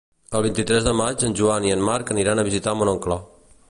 El vint-i-tres de maig en Joan i en Marc aniran a visitar mon oncle.